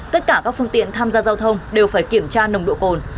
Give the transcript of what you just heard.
tất cả các phương tiện tham gia giao thông đều phải kiểm tra nồng độ cồn